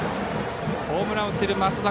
ホームランを打っている松田。